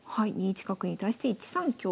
２一角に対して１三香。